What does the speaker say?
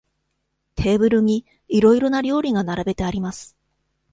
テーブルにいろいろな料理が並べてあります。